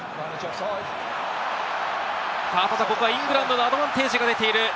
ただ、ここはイングランドにアドバンテージが出ている。